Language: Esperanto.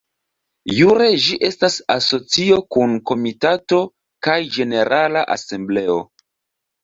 Jure ĝi estas asocio kun Komitato kaj Ĝenerala Asembleo.